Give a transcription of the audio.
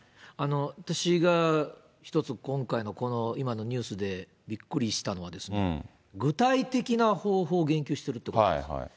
私が一つ、今回のこの今のニュースでびっくりしたのはですね、具体的な方法を言及しているということです。